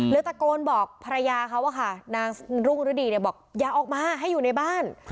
ตะโกนบอกภรรยาเขาอะค่ะนางรุ่งฤดีเนี่ยบอกอย่าออกมาให้อยู่ในบ้าน